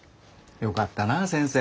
よかったな先生。